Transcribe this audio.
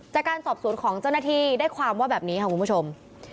จากการสอบสวนของเจ้าหน้าที่ได้ความว่าแบบนี้ค่ะคุณผู้ชม